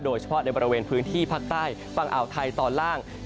โดยเฉพาะในบริเวณพื้นที่ภาคใต้ฝั่งอ่าวไทยตอนล่าง